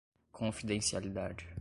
confidencialidade